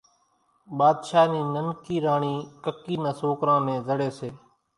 ٻاۮشاھ نِي ننڪي راڻِي ڪڪِي نان سوڪران نين زڙي سي